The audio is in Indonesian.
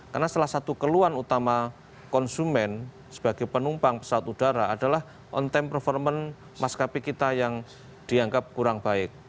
karena salah satu keluhan utama konsumen sebagai penumpang pesawat udara adalah on time performance mas kp kita yang dianggap kurang baik